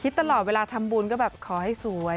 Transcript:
ตลอดเวลาทำบุญก็แบบขอให้สวย